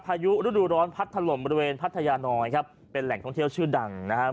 พายุฤดูร้อนพัดถล่มบริเวณพัทยาน้อยครับเป็นแหล่งท่องเที่ยวชื่อดังนะครับ